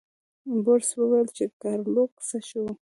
بوریس وویل چې ګارلوک څه شو.